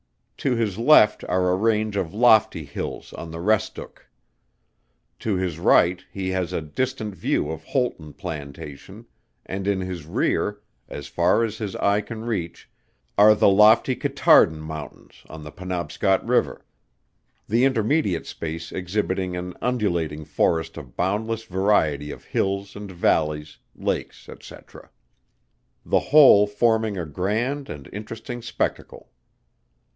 To his left are a range of lofty hills on the Restook; to his right he has a distant view of Houlton plantation, and in his rear, as far as his eye can reach, are the lofty Catardhan Mountains on the Penobscot river; the intermediate space exhibiting an undulating forest of boundless variety of hills and vallies, lakes, &c. The whole forming a grand and interesting spectacle.